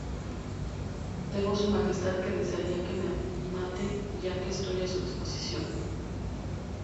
Debo su majestad que desearía que me mate ya que estoy a su disposición.